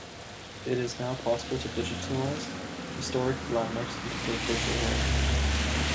It is now possible to digitize historic landmarks into the virtual world.